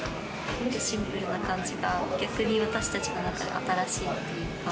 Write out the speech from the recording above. シンプルな感じが逆に私達の中では新しいというか。